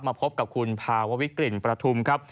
พบกับคุณภาววิกลิ่นประทุมครับ